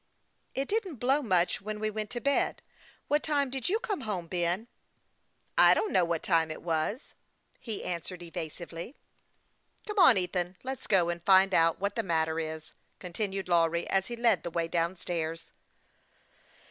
" It didn't blow much when we went to bed. What time did you come home, Ben ?"" I don't know what time it was," he answered, evasively. 168 HASTE AND WASTE, OR " Come, Ethan, let's go and find out what the mat ter is," continued La wry, as he led the way down stairs.